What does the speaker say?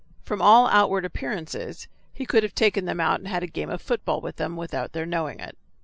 From all outward appearances he could have taken them out and had a game of football with them without their knowing it.